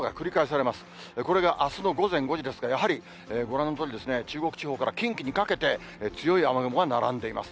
これがあすの午前５時ですから、やはりご覧のとおり、中国地方から近畿にかけて、強い雨雲が並んでいます。